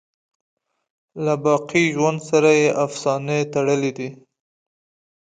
له باقی ژوند سره یې افسانې تړلي دي.